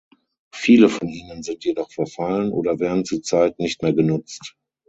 Viele von ihnen sind jedoch verfallen oder werden zurzeit nicht mehr genutzt.